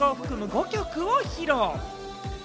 ５曲を披露。